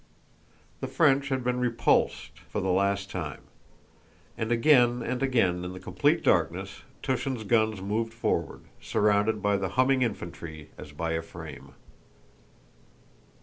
The French had been repulsed for the last time. And again and again in the complete darkness Túshin's guns moved forward, surrounded by the humming infantry as by a frame.